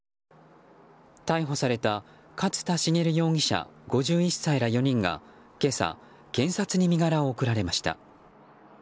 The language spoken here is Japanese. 逮捕された勝田茂容疑者５１歳ら、４人が今朝、検察に身柄を送られました。